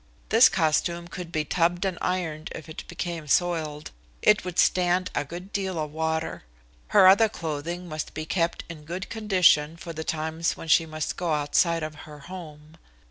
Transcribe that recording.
This costume could be tubbed and ironed if it became soiled. It would stand a good deal of water. Her other clothing must be kept in good condition for the times when she must go outside of her home.